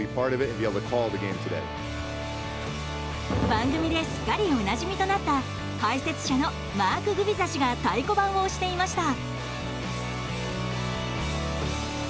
番組ですっかりおなじみとなった解説者のマーク・グビザ氏が太鼓判を押していました。